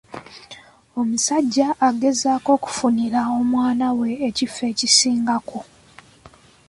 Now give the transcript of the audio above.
Omusajja agezaako okufunira omwana we ekifo ekisingako.